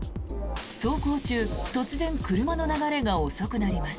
走行中突然、車の流れが遅くなります。